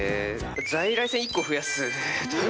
在来線１個増やす。